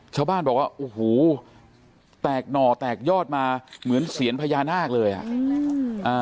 ชาวบ้านบอกว่าโอ้โหแตกหน่อแตกยอดมาเหมือนเสียญพญานาคเลยอ่ะอืมอ่า